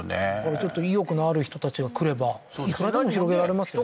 ちょっと意欲のある人たちが来ればいくらでも広げられますよね